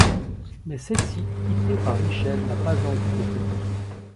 Mais celle-ci, quittée par Michel, n'a pas envie de fêter.